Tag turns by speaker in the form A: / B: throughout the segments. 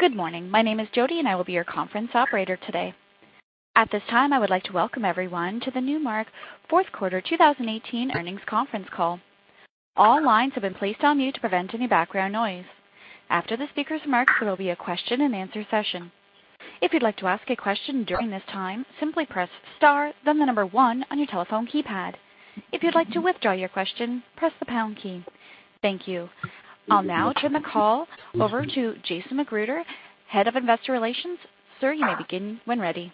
A: Good morning. My name is Jody, and I will be your conference operator today. At this time, I would like to welcome everyone to the Newmark Fourth Quarter 2018 Earnings Conference Call. All lines have been placed on mute to prevent any background noise. After the speaker's remarks, there will be a question and answer session. If you'd like to ask a question during this time, simply press star then number one on your telephone keypad. If you'd like to withdraw your question, press the pound key. Thank you. I'll now turn the call over to Jason McGruder, Head of Investor Relations. Sir, you may begin when ready.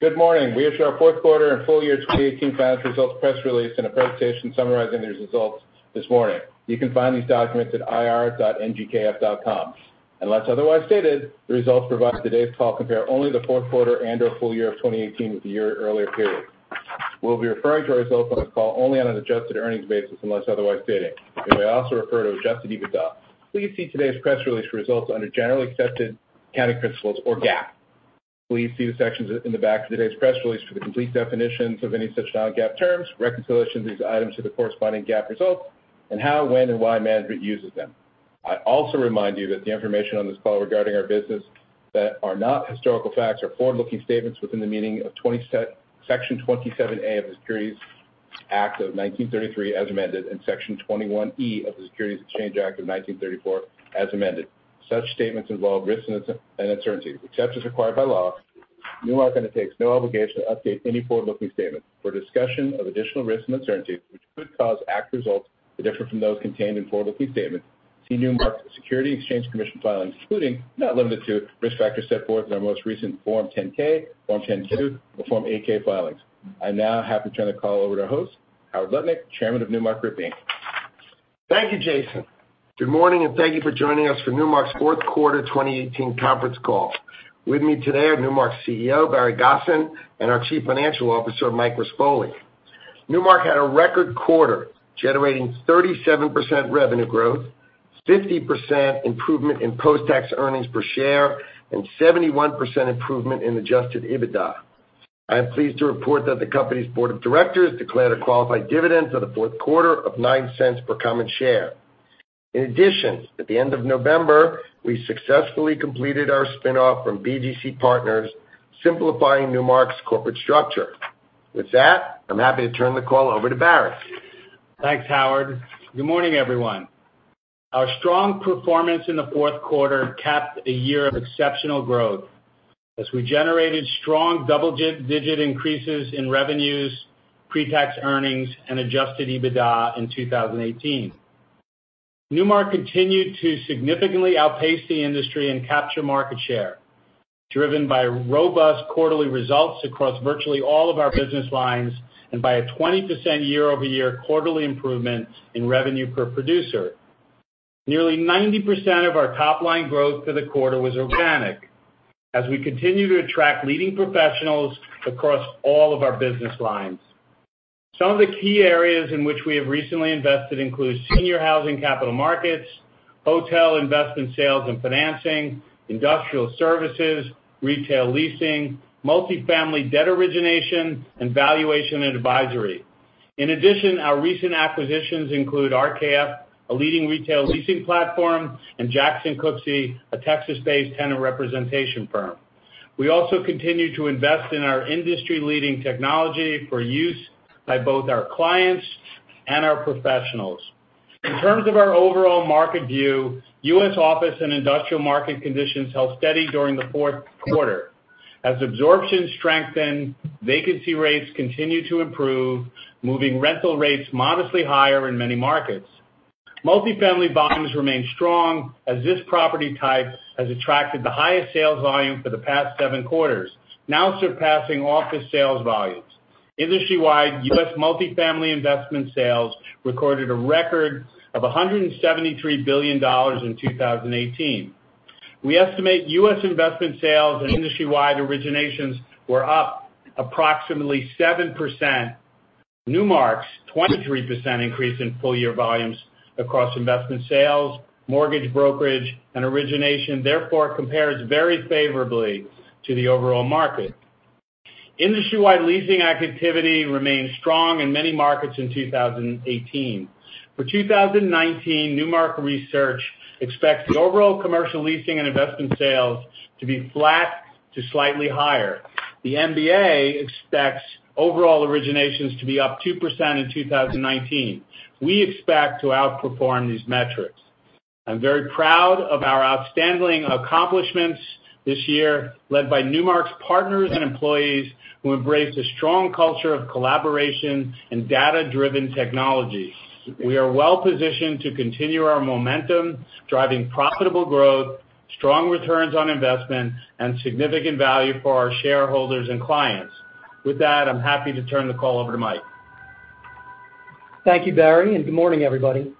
B: Good morning. We issue our fourth quarter and full year 2018 financial results press release and a presentation summarizing these results this morning. You can find these documents at ir.ngkf.com. Unless otherwise stated, the results for today's call compare only the fourth quarter and/or full year of 2018 with the year earlier period. We'll be referring to our results on this call only on an adjusted earnings basis unless otherwise stated. We may also refer to adjusted EBITDA. Please see today's press release for results under generally accepted accounting principles or GAAP. Please see the sections in the back of today's press release for the complete definitions of any such non-GAAP terms, reconciliation of these items to the corresponding GAAP results, and how, when, and why management uses them. I also remind you that the information on this call regarding our business that are not historical facts are forward-looking statements within the meaning of Section 27A of the Securities Act of 1933, as amended, and Section 21E of the Securities Exchange Act of 1934, as amended. Such statements involve risks and uncertainties. Except as required by law, Newmark undertakes no obligation to update any forward-looking statements. For a discussion of additional risks and uncertainties which could cause actual results to differ from those contained in forward-looking statements, see Newmark's SEC filings, including, but not limited to, risk factors set forth in our most recent Form 10-K, Form 10-Q, or Form 8-K filings. I now am happy to turn the call over to our host, Howard Lutnick, Chairman of Newmark Group Inc.
C: Thank you, Jason. Good morning, and thank you for joining us for Newmark's fourth quarter 2018 conference call. With me today are Newmark's CEO, Barry Gosin, and our Chief Financial Officer, Mike Rispoli. Newmark had a record quarter, generating 37% revenue growth, 50% improvement in post-tax earnings per share, and 71% improvement in adjusted EBITDA. I am pleased to report that the company's board of directors declared a qualified dividend for the fourth quarter of $0.09 per common share. In addition, at the end of November, we successfully completed our spin-off from BGC Partners, simplifying Newmark's corporate structure. With that, I'm happy to turn the call over to Barry.
D: Thanks, Howard. Good morning, everyone. Our strong performance in the fourth quarter capped a year of exceptional growth as we generated strong double-digit increases in revenues, pre-tax earnings, and adjusted EBITDA in 2018. Newmark continued to significantly outpace the industry and capture market share, driven by robust quarterly results across virtually all of our business lines and by a 20% year-over-year quarterly improvement in revenue per producer. Nearly 90% of our top-line growth for the quarter was organic as we continue to attract leading professionals across all of our business lines. Some of the key areas in which we have recently invested include senior housing capital markets, hotel investment sales and financing, industrial services, retail leasing, multifamily debt origination, and valuation and advisory. In addition, our recent acquisitions include RKF, a leading retail leasing platform, and Jackson Cooksey, a Texas-based tenant representation firm. We also continue to invest in our industry-leading technology for use by both our clients and our professionals. In terms of our overall market view, U.S. office and industrial market conditions held steady during the fourth quarter as absorption strengthened, vacancy rates continued to improve, moving rental rates modestly higher in many markets. Multifamily volumes remain strong as this property type has attracted the highest sales volume for the past seven quarters, now surpassing office sales volumes. Industry-wide, U.S. multifamily investment sales recorded a record of $173 billion in 2018. We estimate U.S. investment sales and industry-wide originations were up approximately 7%. Newmark's 23% increase in full year volumes across investment sales, mortgage brokerage, and origination therefore compares very favorably to the overall market. Industry-wide leasing activity remained strong in many markets in 2018. For 2019, Newmark research expects the overall commercial leasing and investment sales to be flat to slightly higher. The MBA expects overall originations to be up 2% in 2019. We expect to outperform these metrics. I'm very proud of our outstanding accomplishments this year, led by Newmark's partners and employees who embrace a strong culture of collaboration and data-driven technology. We are well positioned to continue our momentum, driving profitable growth, strong returns on investment, and significant value for our shareholders and clients. With that, I'm happy to turn the call over to Mike.
E: Thank you, Barry, good morning, everybody.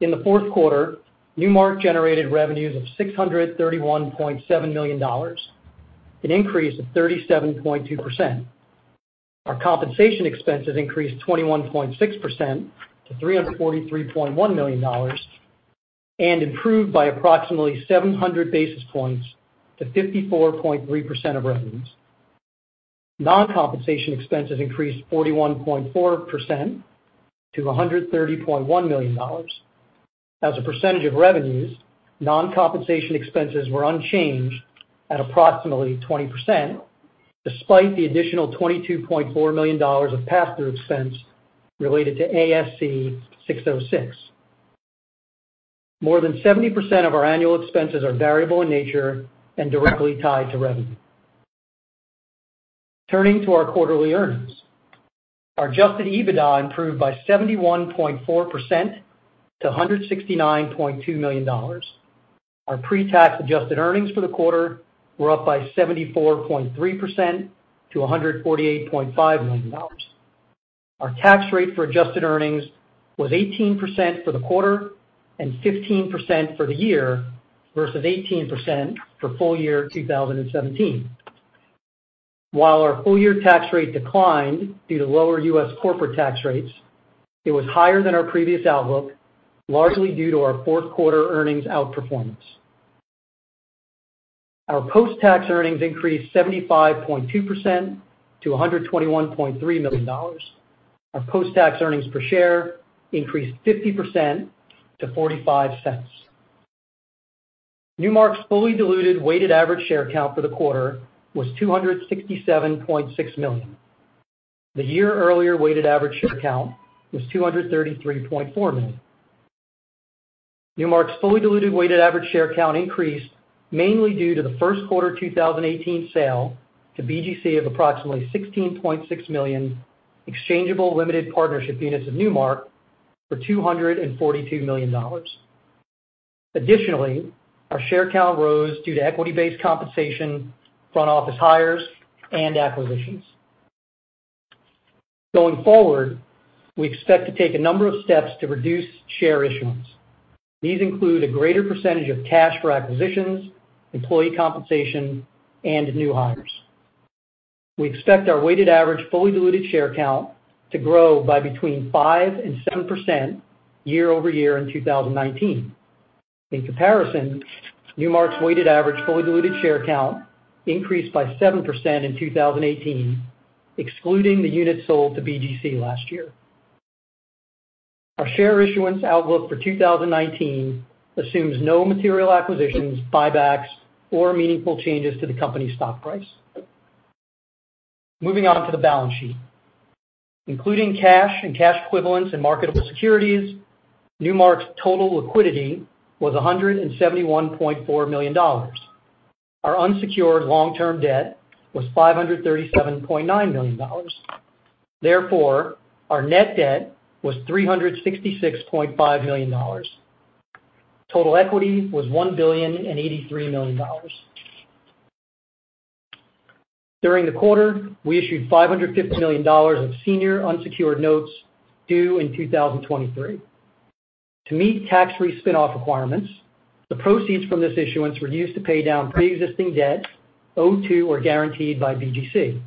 E: In the fourth quarter, Newmark generated revenues of $631.7 million, an increase of 37.2%. Our compensation expenses increased 21.6% to $343.1 million and improved by approximately 700 basis points to 54.3% of revenues. Non-compensation expenses increased 41.4% to $130.1 million. As a percentage of revenues, non-compensation expenses were unchanged at approximately 20%, despite the additional $22.4 million of pass-through expense related to ASC 606. More than 70% of our annual expenses are variable in nature and directly tied to revenue. Turning to our quarterly earnings. Our adjusted EBITDA improved by 71.4% to $169.2 million. Our pre-tax adjusted earnings for the quarter were up by 74.3% to $148.5 million. Our tax rate for adjusted earnings was 18% for the quarter and 15% for the year versus 18% for full year 2017. While our full-year tax rate declined due to lower U.S. corporate tax rates, it was higher than our previous outlook, largely due to our fourth quarter earnings outperformance. Our post-tax earnings increased 75.2% to $121.3 million. Our post-tax earnings per share increased 50% to $0.45. Newmark's fully diluted weighted average share count for the quarter was $267.6 million. The year earlier weighted average share count was $233.4 million. Newmark's fully diluted weighted average share count increased mainly due to the first quarter 2018 sale to BGC of approximately 16.6 million exchangeable limited partnership units of Newmark for $242 million. Additionally, our share count rose due to equity-based compensation, front office hires, and acquisitions. We expect to take a number of steps to reduce share issuance. These include a greater percentage of cash for acquisitions, employee compensation, and new hires. We expect our weighted average fully diluted share count to grow by between 5% and 7% year-over-year in 2019. In comparison, Newmark's weighted average fully diluted share count increased by 7% in 2018, excluding the units sold to BGC last year. Our share issuance outlook for 2019 assumes no material acquisitions, buybacks, or meaningful changes to the company's stock price. Moving on to the balance sheet. Including cash and cash equivalents in marketable securities, Newmark's total liquidity was $171.4 million. Our unsecured long-term debt was $537.9 million. Therefore, our net debt was $366.5 million. Total equity was $1,083 million. During the quarter, we issued $550 million of senior unsecured notes due in 2023. To meet tax-free spinoff requirements, the proceeds from this issuance were used to pay down preexisting debt owed to or guaranteed by BGC.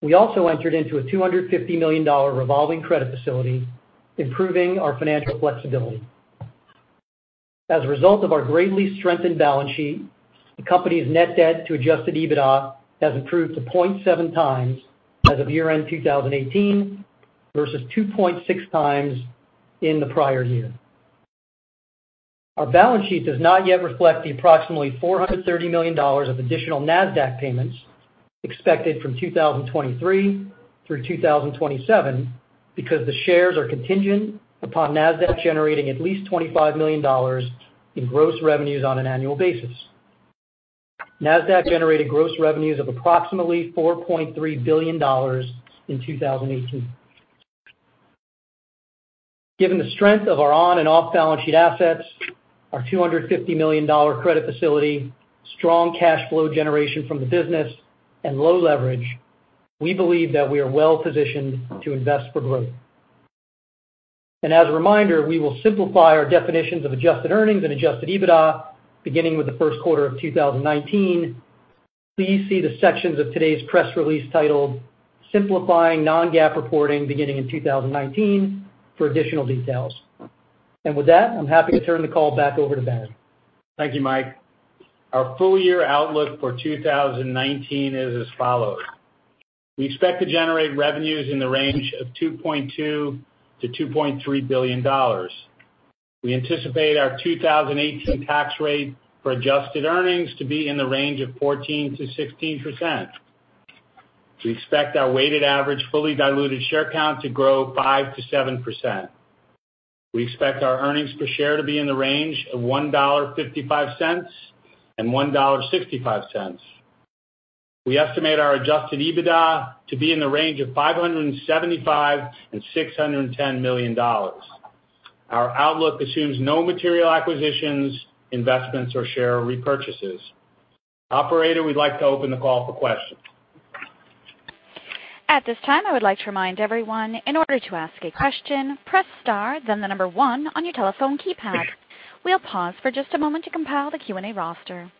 E: We also entered into a $250 million revolving credit facility, improving our financial flexibility. As a result of our greatly strengthened balance sheet, the company's net debt to adjusted EBITDA has improved to 0.7 times as of year-end 2018 versus 2.6 times in the prior year. Our balance sheet does not yet reflect the approximately $430 million of additional Nasdaq payments expected from 2023 through 2027 because the shares are contingent upon Nasdaq generating at least $25 million in gross revenues on an annual basis. Nasdaq generated gross revenues of approximately $4.3 billion in 2018. Given the strength of our on and off-balance sheet assets, our $250 million credit facility, strong cash flow generation from the business, and low leverage, we believe that we are well-positioned to invest for growth. As a reminder, we will simplify our definitions of adjusted earnings and adjusted EBITDA beginning with the first quarter of 2019. Please see the sections of today's press release titled "Simplifying Non-GAAP Reporting Beginning in 2019" for additional details. With that, I'm happy to turn the call back over to Ben.
D: Thank you, Mike. Our full-year outlook for 2019 is as follows. We expect to generate revenues in the range of $2.2 billion-$2.3 billion. We anticipate our 2018 tax rate for adjusted earnings to be in the range of 14%-16%. We expect our weighted average fully diluted share count to grow 5%-7%. We expect our earnings per share to be in the range of $1.55 and $1.65. We estimate our adjusted EBITDA to be in the range of $575 million and $610 million. Our outlook assumes no material acquisitions, investments, or share repurchases. Operator, we'd like to open the call for questions.
A: At this time, I would like to remind everyone, in order to ask a question, press star then the number one on your telephone keypad. We'll pause for just a moment to compile the Q&A roster.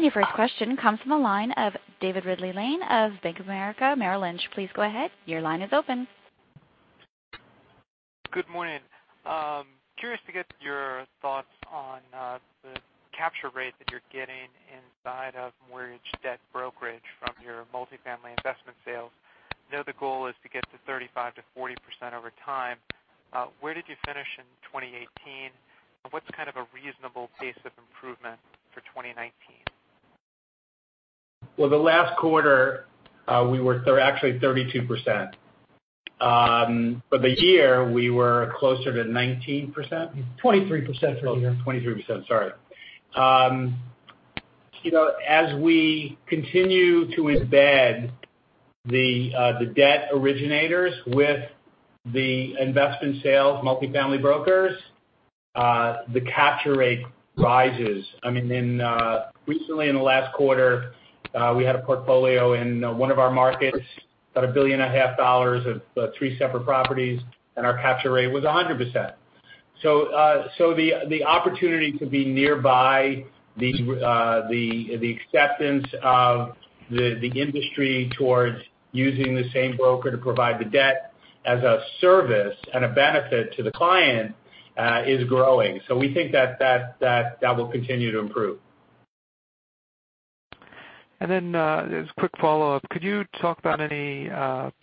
A: Your first question comes from the line of David Ridley-Lane of Bank of America Merrill Lynch. Please go ahead. Your line is open.
F: Good morning. Curious to get your thoughts on the capture rate that you're getting inside of mortgage debt brokerage from your multifamily investment sales. I know the goal is to get to 35%-40% over time. Where did you finish in 2018? What's kind of a reasonable pace of improvement for 2019?
D: Well, the last quarter, we were actually 32%. For the year, we were closer to 19%.
E: 23% for the year.
D: 23%, sorry. We continue to embed the debt originators with the investment sales multifamily brokers, the capture rate rises. Recently in the last quarter, we had a portfolio in one of our markets, about a billion and a half dollars of three separate properties, and our capture rate was 100%. The opportunity to be nearby the acceptance of the industry towards using the same broker to provide the debt as a service and a benefit to the client is growing. We think that will continue to improve.
F: As a quick follow-up, could you talk about any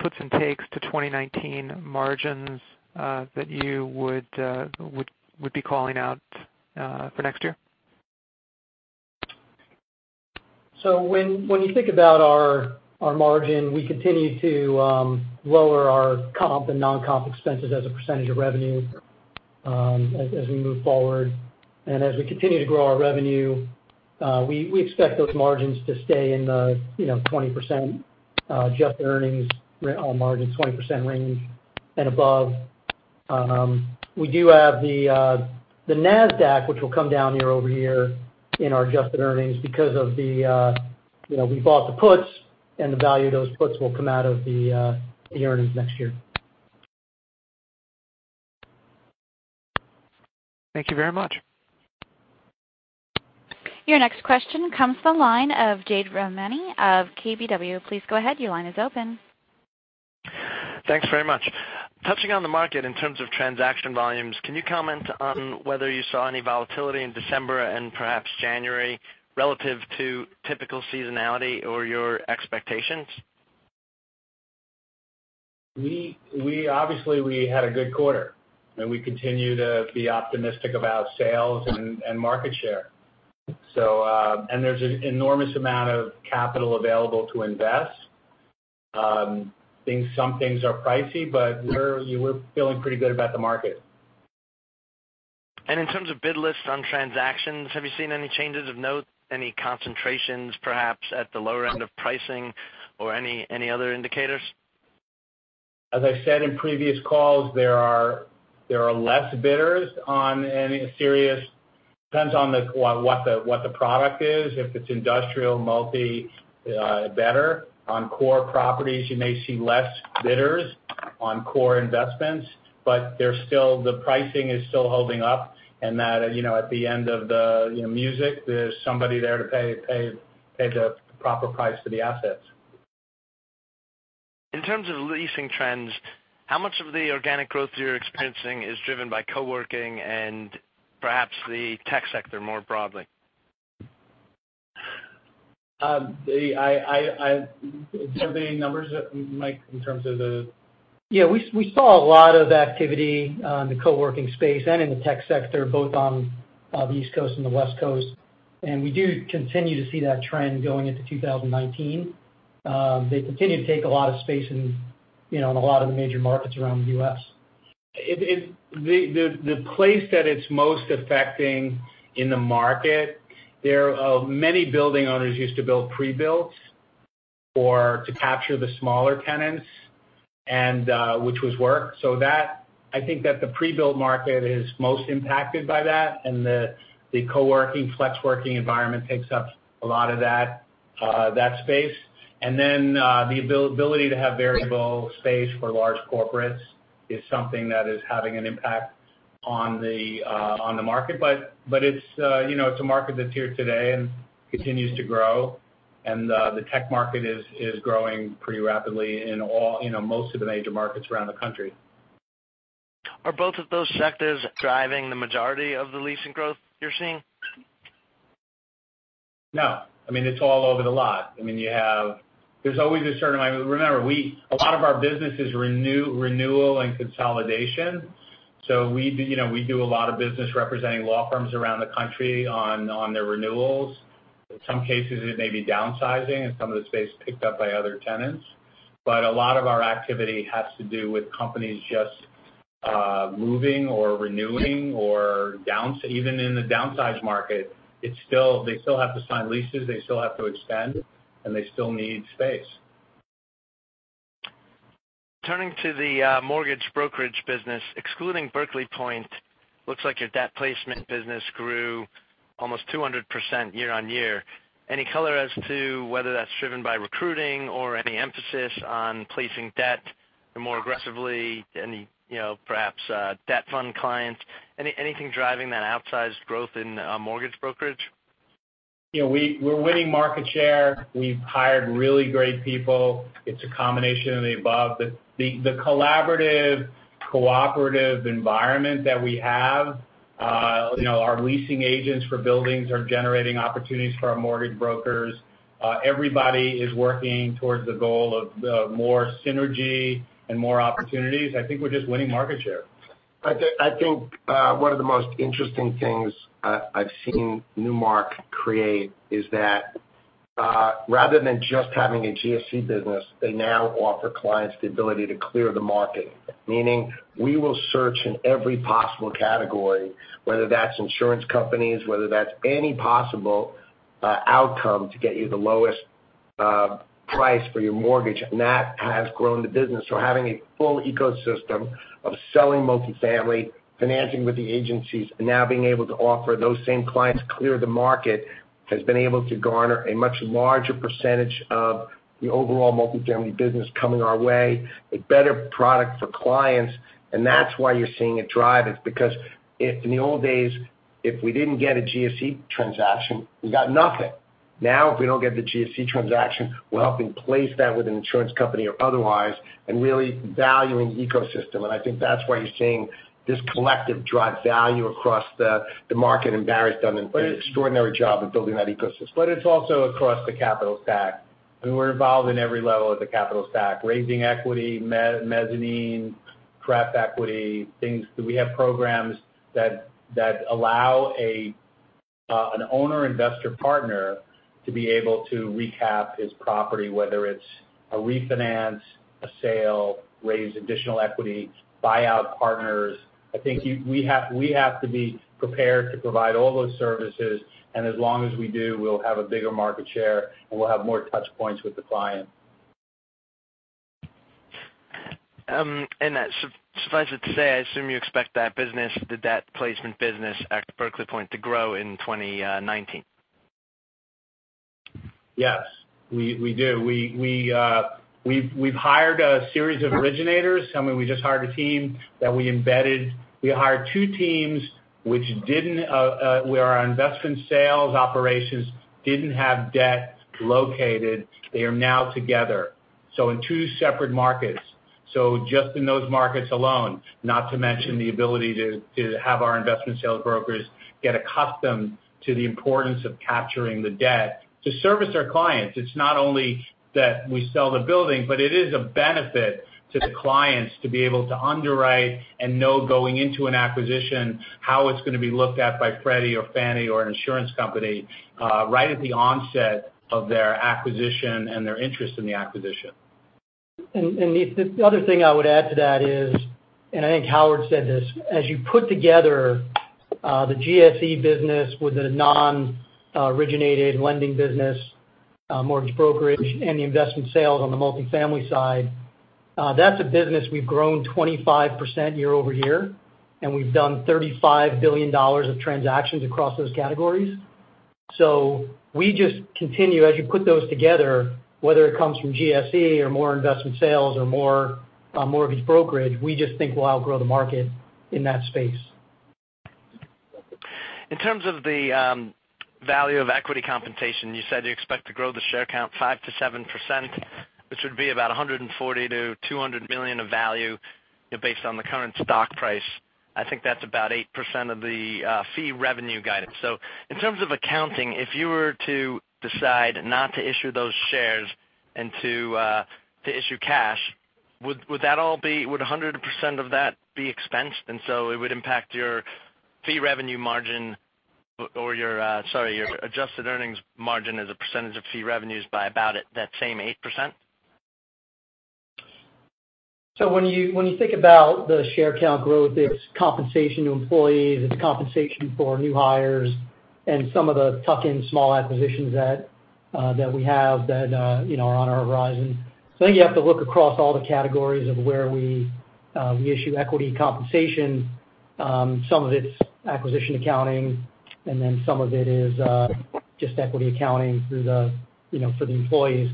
F: puts and takes to 2019 margins that you would be calling out for next year?
E: When you think about our margin, we continue to lower our comp and non-comp expenses as a percentage of revenue as we move forward. As we continue to grow our revenue, we expect those margins to stay in the 20% adjusted earnings on margin, 20% range and above. We do have the Nasdaq, which will come down year-over-year in our adjusted earnings because we bought the puts, and the value of those puts will come out of the earnings next year.
F: Thank you very much.
A: Your next question comes from the line of Jade Rahmani of KBW. Please go ahead, your line is open.
G: Thanks very much. Touching on the market in terms of transaction volumes, can you comment on whether you saw any volatility in December and perhaps January relative to typical seasonality or your expectations?
D: Obviously, we had a good quarter, and we continue to be optimistic about sales and market share. There's an enormous amount of capital available to invest. Some things are pricey, but we're feeling pretty good about the market.
G: In terms of bid lists on transactions, have you seen any changes of note, any concentrations, perhaps at the lower end of pricing or any other indicators?
D: As I said in previous calls, there are less bidders on any. Depends on what the product is. If it's industrial, multi, better. On core properties, you may see less bidders on core investments, but the pricing is still holding up, and that at the end of the music, there's somebody there to pay the proper price for the assets.
G: In terms of leasing trends, how much of the organic growth you're experiencing is driven by co-working and perhaps the tech sector more broadly?
D: Is there any numbers, Mike?
E: Yeah, we saw a lot of activity in the co-working space and in the tech sector, both on the East Coast and the West Coast, and we do continue to see that trend going into 2019. They continue to take a lot of space in a lot of the major markets around the U.S.
D: The place that it's most affecting in the market, many building owners used to build pre-builds or to capture the smaller tenants, which was work. I think that the pre-build market is most impacted by that, and the co-working, flex working environment takes up a lot of that space. The ability to have variable space for large corporates is something that is having an impact on the market. It's a market that's here today and continues to grow, and the tech market is growing pretty rapidly in most of the major markets around the country.
G: Are both of those sectors driving the majority of the leasing growth you're seeing?
D: No. It's all over the lot. Remember, a lot of our business is renewal and consolidation. We do a lot of business representing law firms around the country on their renewals. In some cases, it may be downsizing and some of the space picked up by other tenants. A lot of our activity has to do with companies just moving or renewing or even in the downsize market, they still have to sign leases, they still have to expand, and they still need space.
G: Turning to the mortgage brokerage business, excluding Berkeley Point, looks like your debt placement business grew almost 200% year-over-year. Any color as to whether that's driven by recruiting or any emphasis on placing debt more aggressively? Any perhaps debt fund clients? Anything driving that outsized growth in mortgage brokerage?
D: We're winning market share. We've hired really great people. It's a combination of the above. The collaborative, cooperative environment that we have, our leasing agents for buildings are generating opportunities for our mortgage brokers. Everybody is working towards the goal of more synergy and more opportunities. I think we're just winning market share.
C: I think one of the most interesting things I've seen Newmark create is that rather than just having a GSE business, they now offer clients the ability to clear the market. Meaning we will search in every possible category, whether that's insurance companies, whether that's any possible outcome to get you the lowest price for your mortgage, that has grown the business. Having a full ecosystem of selling multifamily, financing with the agencies, and now being able to offer those same clients clear the market, has been able to garner a much larger percentage of the overall multifamily business coming our way, a better product for clients, that's why you're seeing it drive it. Because if in the old days, if we didn't get a GSE transaction, we got nothing. Now, if we don't get the GSE transaction, we're helping place that with an insurance company or otherwise, really valuing the ecosystem. I think that's why you're seeing this collective drive value across the market, Barry's done an extraordinary job in building that ecosystem.
D: It's also across the capital stack, and we're involved in every level of the capital stack, raising equity, mezzanine, pref equity, things. We have programs that allow an owner investor partner to be able to recap his property, whether it's a refinance, a sale, raise additional equity, buy out partners. I think we have to be prepared to provide all those services, and as long as we do, we'll have a bigger market share, and we'll have more touch points with the client.
G: That suffices to say, I assume you expect that business, the debt placement business at Berkeley Point to grow in 2019.
D: Yes. We do. We've hired a series of originators. We just hired a team that we embedded. We hired two teams where our investment sales operations didn't have debt located. They are now together. In two separate markets. Just in those markets alone, not to mention the ability to have our investment sales brokers get accustomed to the importance of capturing the debt to service our clients. It's not only that we sell the building, but it is a benefit to the clients to be able to underwrite and know going into an acquisition how it's going to be looked at by Freddie or Fannie or an insurance company, right at the onset of their acquisition and their interest in the acquisition.
E: Nate, the other thing I would add to that is, and I think Howard said this, as you put together the GSE business with the non-originated lending business, mortgage brokerage, and the investment sales on the multifamily side, that's a business we've grown 25% year-over-year, and we've done $35 billion of transactions across those categories. We just continue, as you put those together, whether it comes from GSE or more investment sales or more mortgage brokerage, we just think we'll outgrow the market in that space.
G: In terms of the value of equity compensation, you said you expect to grow the share count 5%-7%, which would be about $140 million-$200 million of value based on the current stock price. I think that's about 8% of the fee revenue guidance. In terms of accounting, if you were to decide not to issue those shares and to issue cash, would 100% of that be expensed and it would impact your fee revenue margin or your, sorry, your adjusted earnings margin as a percentage of fee revenues by about that same 8%?
E: When you think about the share count growth, it's compensation to employees, it's compensation for new hires and some of the tuck-in small acquisitions that we have that are on our horizon. I think you have to look across all the categories of where we issue equity compensation. Some of it's acquisition accounting, and some of it is just equity accounting for the employees.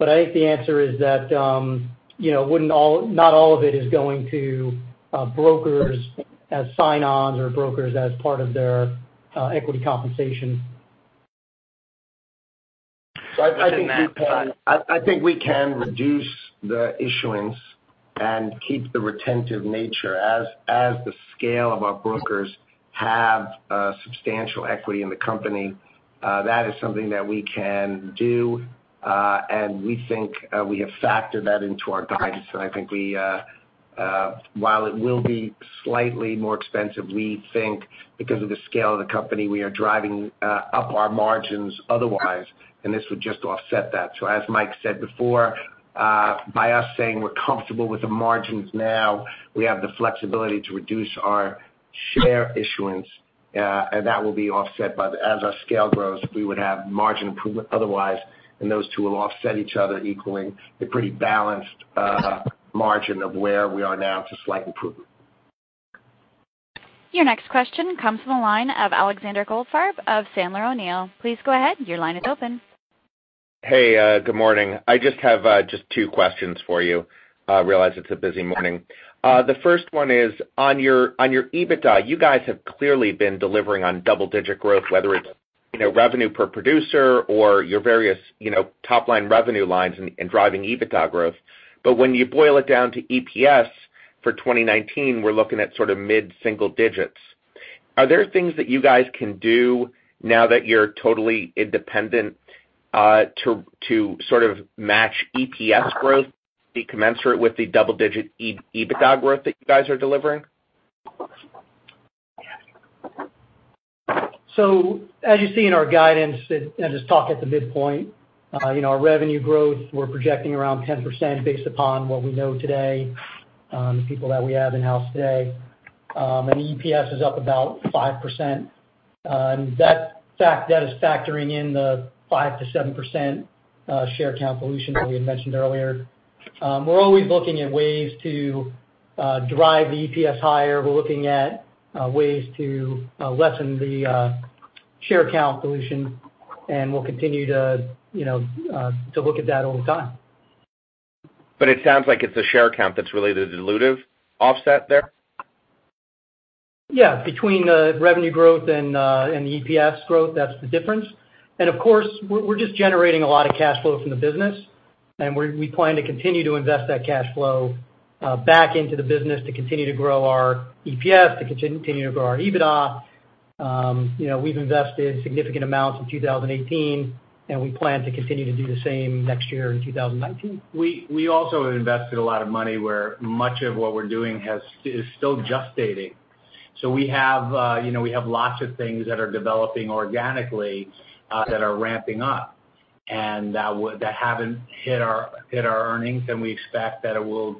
E: I think the answer is that not all of it is going to brokers as sign-ons or brokers as part of their equity compensation.
C: I think we can reduce the issuance and keep the retentive nature as the scale of our brokers have substantial equity in the company. That is something that we can do, and we think we have factored that into our guidance, and I think while it will be slightly more expensive, we think because of the scale of the company, we are driving up our margins otherwise, and this would just offset that. As Mike said before, by us saying we're comfortable with the margins now, we have the flexibility to reduce our share issuance, and that will be offset by as our scale grows, we would have margin improvement otherwise, and those two will offset each other equally. A pretty balanced margin of where we are now to slight improvement.
A: Your next question comes from the line of Alexander Goldfarb of Sandler O'Neill. Please go ahead. Your line is open.
H: Hey. Good morning. I just have two questions for you. I realize it's a busy morning. The first one is, on your EBITDA, you guys have clearly been delivering on double-digit growth, whether it's revenue per producer or your various top-line revenue lines in driving EBITDA growth. When you boil it down to EPS for 2019, we're looking at mid-single digits. Are there things that you guys can do now that you're totally independent, to match EPS growth to be commensurate with the double-digit EBITDA growth that you guys are delivering?
E: As you see in our guidance and as talked at the midpoint, our revenue growth, we're projecting around 10% based upon what we know today, the people that we have in-house today. EPS is up about 5%. That is factoring in the 5%-7% share count dilution that we had mentioned earlier. We're always looking at ways to drive the EPS higher. We're looking at ways to lessen the share count dilution, we'll continue to look at that all the time.
H: It sounds like it's the share count that's really the dilutive offset there?
E: Yeah. Between the revenue growth and the EPS growth, that's the difference. Of course, we're just generating a lot of cash flow from the business, we plan to continue to invest that cash flow back into the business to continue to grow our EPS, to continue to grow our EBITDA. We've invested significant amounts in 2018, we plan to continue to do the same next year in 2019.
D: We also have invested a lot of money where much of what we're doing is still just stating. We have lots of things that are developing organically that are ramping up and that haven't hit our earnings, and we expect that it will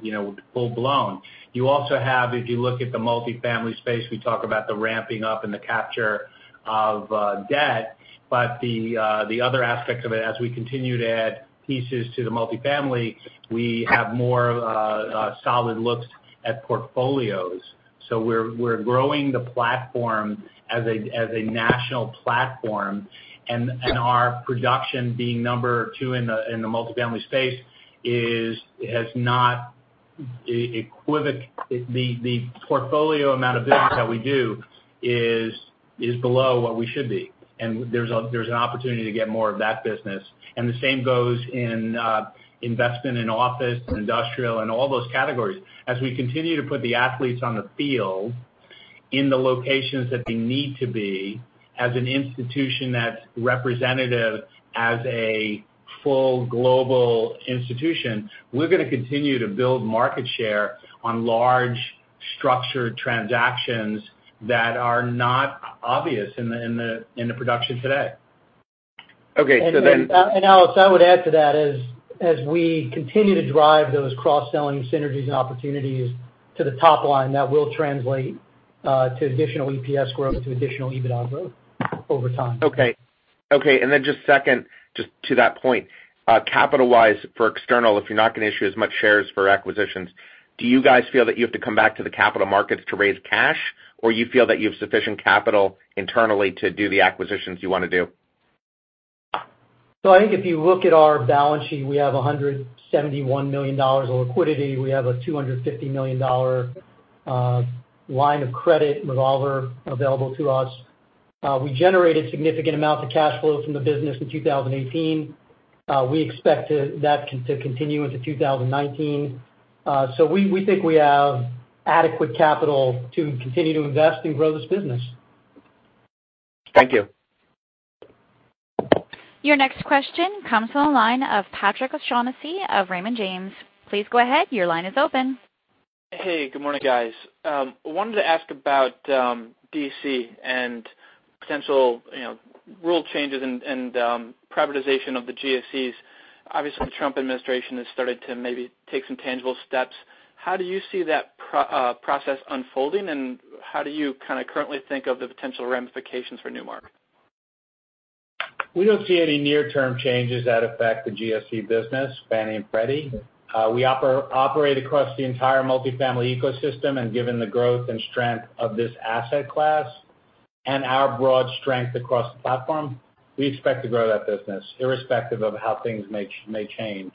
D: full-blown. You also have, if you look at the multifamily space, we talk about the ramping up and the capture of debt. The other aspect of it, as we continue to add pieces to the multifamily, we have more solid looks at portfolios. We're growing the platform as a national platform, and our production being number two in the multifamily space, the portfolio amount of business that we do is below what we should be. There's an opportunity to get more of that business. The same goes in investment in office and industrial and all those categories. As we continue to put the athletes on the field in the locations that they need to be, as an institution that's representative as a full global institution, we're going to continue to build market share on large structured transactions that are not obvious in the production today.
H: Okay.
E: Alex, I would add to that, as we continue to drive those cross-selling synergies and opportunities to the top line, that will translate to additional EPS growth and to additional EBITDA growth over time.
H: Okay. Just second, just to that point, capital-wise for external, if you're not going to issue as much shares for acquisitions, do you guys feel that you have to come back to the capital markets to raise cash, or you feel that you have sufficient capital internally to do the acquisitions you want to do?
E: I think if you look at our balance sheet, we have $171 million of liquidity. We have a $250 million line of credit revolver available to us. We generated significant amounts of cash flow from the business in 2018. We expect that to continue into 2019. We think we have adequate capital to continue to invest and grow this business.
H: Thank you.
A: Your next question comes from the line of Patrick O'Shaughnessy of Raymond James. Please go ahead. Your line is open.
I: Hey. Good morning, guys. I wanted to ask about D.C. and potential rule changes and privatization of the GSEs. Obviously, the Trump administration has started to maybe take some tangible steps. How do you see that process unfolding, and how do you currently think of the potential ramifications for Newmark?
D: We don't see any near-term changes that affect the GSE business, Fannie and Freddie. We operate across the entire multi-family ecosystem. Given the growth and strength of this asset class and our broad strength across the platform, we expect to grow that business irrespective of how things may change.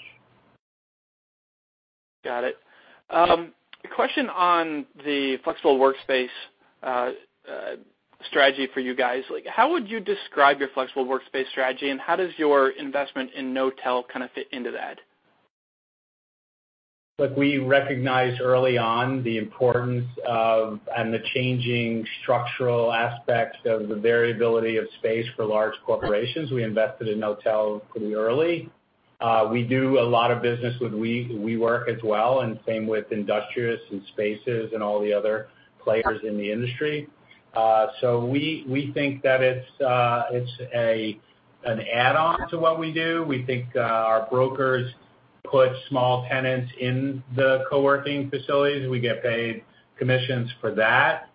I: Got it. A question on the flexible workspace strategy for you guys. How would you describe your flexible workspace strategy, and how does your investment in Knotel fit into that?
D: Look, we recognized early on the importance of, and the changing structural aspects of the variability of space for large corporations. We invested in Knotel pretty early. We do a lot of business with WeWork as well, and same with Industrious and Spaces and all the other players in the industry. We think that it's an add-on to what we do. We think our brokers put small tenants in the co-working facilities. We get paid commissions for that.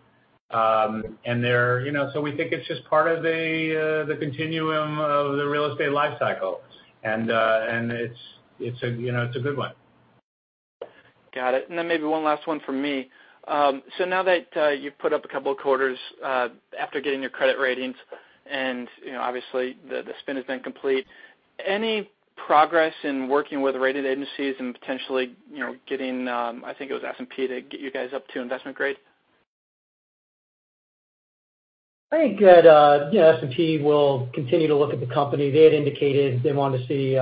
D: We think it's just part of the continuum of the real estate life cycle. It's a good one.
I: Got it. Maybe one last one from me. Now that you've put up a couple of quarters after getting your credit ratings, and obviously, the spin has been complete, any progress in working with the rating agencies and potentially getting, I think it was S&P, to get you guys up to investment grade?
E: I think that S&P will continue to look at the company. They had indicated they want to see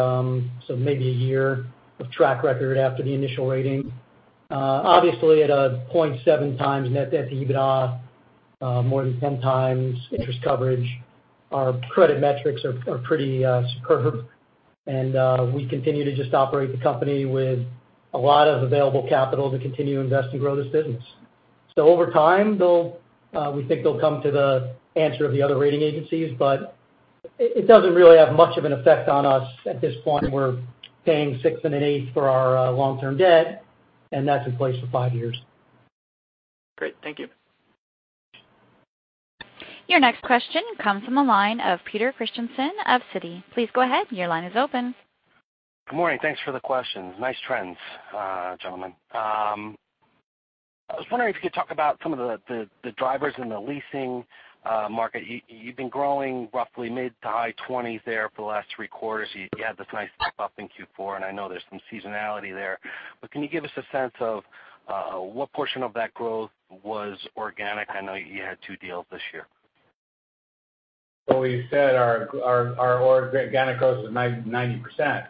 E: maybe a year of track record after the initial rating. Obviously, at a 0.7 times net debt to EBITDA, more than 10 times interest coverage, our credit metrics are pretty superb. We continue to just operate the company with a lot of available capital to continue to invest and grow this business. Over time, we think they'll come to the answer of the other rating agencies, but it doesn't really have much of an effect on us at this point. We're paying six and an eighth for our long-term debt, and that's in place for five years.
I: Great. Thank you.
A: Your next question comes from the line of Peter Christiansen of Citi. Please go ahead, your line is open.
J: Good morning. Thanks for the questions. Nice trends, gentlemen. I was wondering if you could talk about some of the drivers in the leasing market. You've been growing roughly mid to high 20s there for the last three quarters. You had this nice pop up in Q4, and I know there's some seasonality there, but can you give us a sense of what portion of that growth was organic? I know you had two deals this year.
D: We said our organic growth was 90%.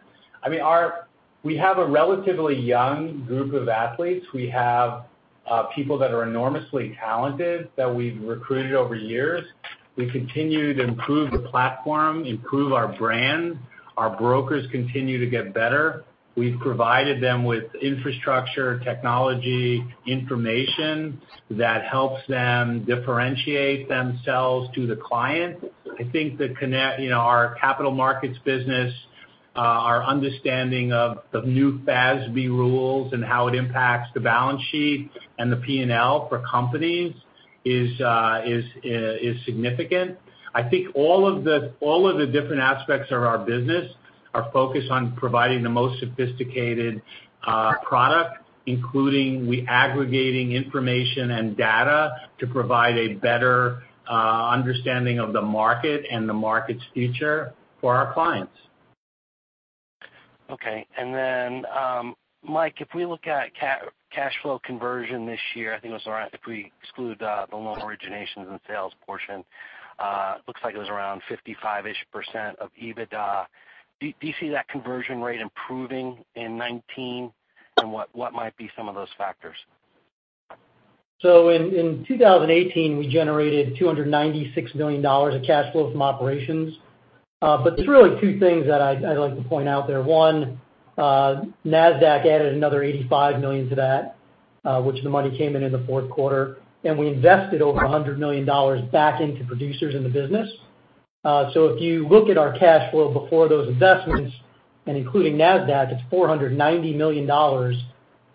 D: We have a relatively young group of athletes. We have people that are enormously talented that we've recruited over years. We continue to improve the platform, improve our brand. Our brokers continue to get better. We've provided them with infrastructure, technology, information that helps them differentiate themselves to the client. I think that our capital markets business, our understanding of the new FASB rules and how it impacts the balance sheet and the P&L for companies is significant. I think all of the different aspects of our business are focused on providing the most sophisticated product, including aggregating information and data to provide a better understanding of the market and the market's future for our clients.
J: Mike, if we look at cash flow conversion this year, I think if we exclude the loan originations and sales portion, looks like it was around 55%-ish of EBITDA. Do you see that conversion rate improving in 2019, and what might be some of those factors?
E: In 2018, we generated $296 million of cash flow from operations. There's really two things that I'd like to point out there. One, Nasdaq added another $85 million to that, which the money came in in the fourth quarter, and we invested over $100 million back into producers in the business. If you look at our cash flow before those investments, and including Nasdaq, it's $490 million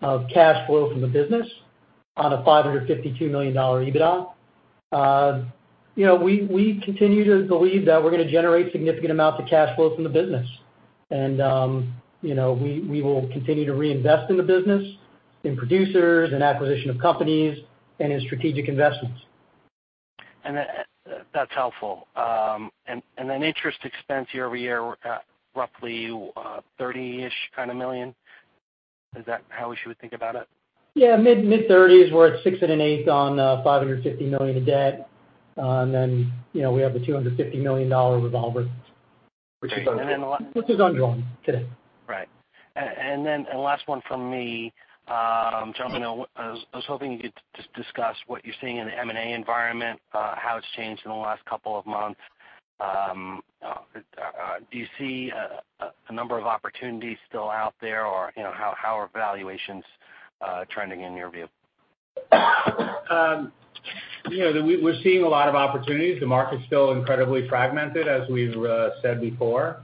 E: of cash flow from the business on a $552 million EBITDA. We continue to believe that we're going to generate significant amounts of cash flow from the business. We will continue to reinvest in the business, in producers, in acquisition of companies, and in strategic investments.
J: That's helpful. Interest expense year-over-year at roughly $30 million. Is that how we should think about it?
E: Yeah, mid-30s. We're at six and an eighth on $550 million of debt. We have a $250 million revolver.
J: Which is undrawn.
E: Which is undrawn today.
J: Then last one from me. Gentlemen, I was hoping you could just discuss what you're seeing in the M&A environment, how it's changed in the last couple of months. Do you see a number of opportunities still out there, or how are valuations trending in your view?
D: We're seeing a lot of opportunities. The market's still incredibly fragmented, as we've said before.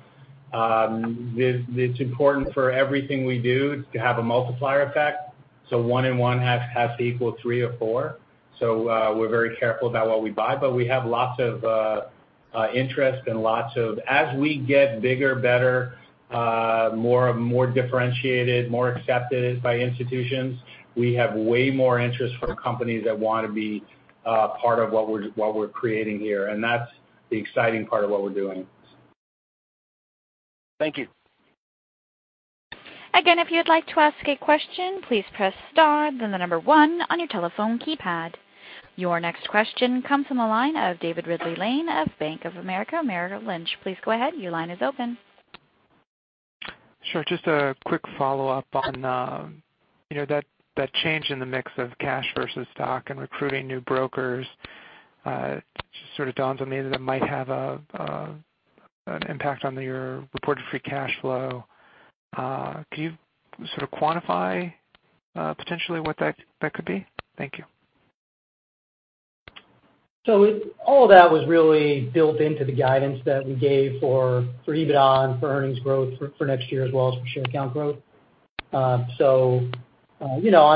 D: It's important for everything we do to have a multiplier effect, so one and one has to equal three or four. We're very careful about what we buy, but we have lots of interest. As we get bigger, better, more differentiated, more accepted by institutions, we have way more interest from companies that want to be a part of what we're creating here, That's the exciting part of what we're doing.
J: Thank you.
A: Again, if you'd like to ask a question, please press star, then the number one on your telephone keypad. Your next question comes from the line of David Ridley-Lane of Bank of America Merrill Lynch. Please go ahead. Your line is open.
F: Sure. Just a quick follow-up on that change in the mix of cash versus stock and recruiting new brokers. It just dawns on me that it might have an impact on your reported free cash flow. Can you quantify potentially what that could be? Thank you.
E: All of that was really built into the guidance that we gave for EBITDA and for earnings growth for next year, as well as for share account growth. On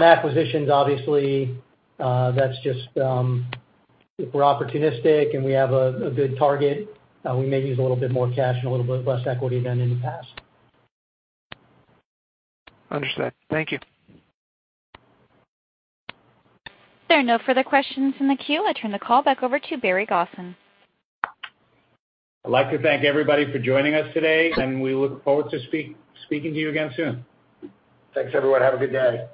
E: acquisitions, obviously, if we're opportunistic and we have a good target, we may use a little bit more cash and a little bit less equity than in the past.
F: Understood. Thank you.
A: There are no further questions in the queue. I turn the call back over to Barry Gosin.
D: I'd like to thank everybody for joining us today, and we look forward to speaking to you again soon.
E: Thanks, everyone. Have a good day.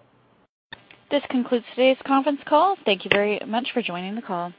A: This concludes today's conference call. Thank you very much for joining the call.